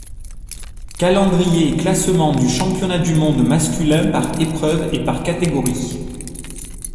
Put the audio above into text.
Calendrier et classement du championnat du monde masculin par épreuves et par catégories.